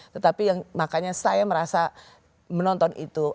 tetapi yang makanya saya merasa menonton itu